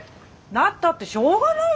なったってしょうがない